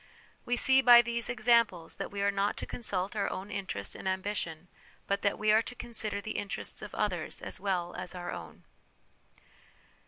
"' We see by these examples that we are not to consult our own interest and ambition, but that we are to consider the interests of others as well as our own.